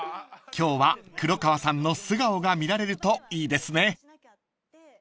［今日は黒川さんの素顔が見られるといいですね］